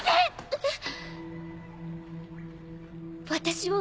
・えっ！？